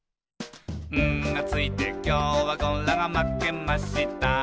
「『ん』がついてきょうはゴラがまけました」